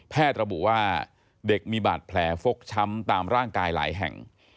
ระบุว่าเด็กมีบาดแผลฟกช้ำตามร่างกายหลายแห่ง